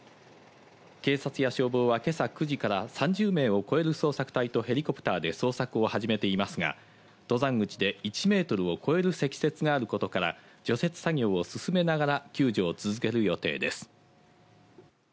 警察や消防は今朝９時から３０名を超える捜索隊とヘリコプターで捜査を始めていますが、登山口で１メートルを超える積雪があることから、除雪作業を進めながら、救助を続ける予定です。